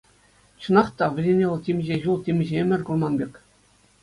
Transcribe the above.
Чӑнах та, вӗсене вӑл темиҫе ҫул, темиҫе ӗмӗр курман пек.